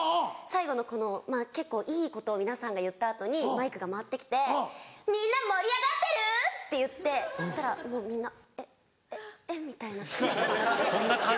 最後の結構いいことを皆さんが言った後にマイクが回って来て「みんな盛り上がってる⁉」って言ってそしたらみんな「えっえっ」みたいな空気になって。